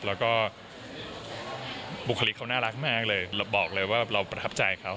แล้วก็บุคลิกเขาน่ารักมากเลยเราบอกเลยว่าเราประทับใจเขา